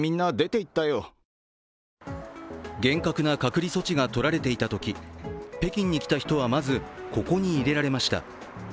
厳格な隔離措置がとられていたとき、北京に来た人はまずここに入れられました。